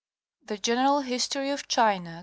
The general History of China [etc.